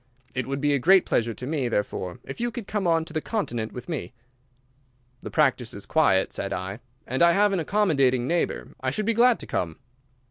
It would be a great pleasure to me, therefore, if you could come on to the Continent with me." "The practice is quiet," said I, "and I have an accommodating neighbour. I should be glad to come."